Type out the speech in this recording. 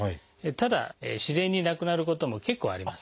ただ自然になくなることも結構あります。